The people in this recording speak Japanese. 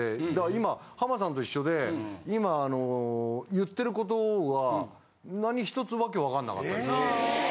今浜田さんと一緒で今あの言ってることは何一つ訳わかんなかったです。